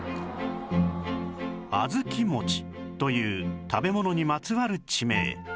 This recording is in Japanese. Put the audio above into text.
「小豆餅」という食べ物にまつわる地名